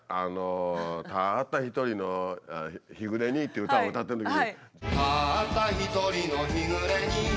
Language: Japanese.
「たった一人の日暮れに」っていう歌を歌ってるときに。